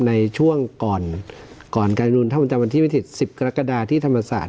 ในช่วงก่อนก่อนการรุนถ้ามันจำเป็นที่ไม่ถิด๑๐กรกฎาที่ธรรมศาสตร์